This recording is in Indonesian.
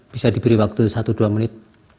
bisa diberi waktu satu dua menit